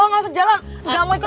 oh nggak usah jalan nggak mau ikut el